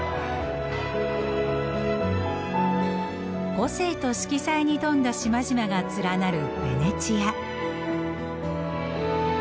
個性と色彩に富んだ島々が連なるベネチア。